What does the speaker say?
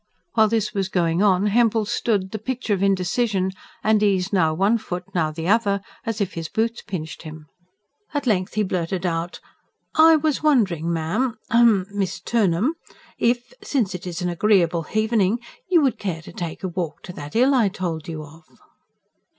While this was going on Hempel stood, the picture of indecision, and eased now one foot, now the other, as if his boots pinched him. At length he blurted out: "I was wondering, ma'am ahem! Miss Turnham if, since it is an agreeable h'evening, you would care to take a walk to that 'ill I told you of?"